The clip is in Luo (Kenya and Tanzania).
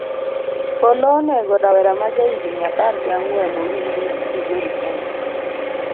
Polo onego rawera maja higni apar gi ang'wen uriri, migori kaunti.